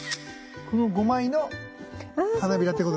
この５枚の花びらってことですね。